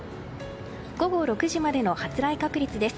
午後６時までの発雷確率です。